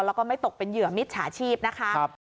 แล้วก็ไม่ตกเป็นเหยื่อมิจฉาชีพนะคะ